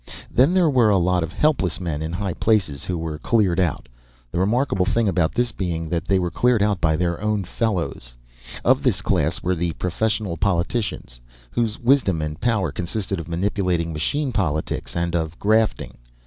Then there were a lot of helpless men in high places who were cleared out, the remarkable thing about this being that they were cleared out by their own fellows. Of this class were the professional politicians, whose wisdom and power consisted of manipulating machine politics and of grafting.